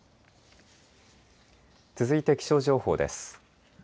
続いて気象情報です。